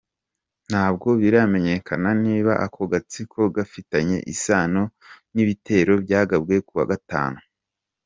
Ntabwo biramenyekana niba ako gatsiko gafitanye isano n’ibitero byagabwe kuwa Gatanu.